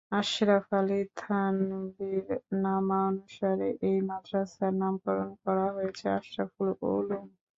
আশরাফ আলী থানভীর নামানুসারে এই মাদ্রাসার নামকরণ করা হয়েছে ‘আশরাফুল উলুম’।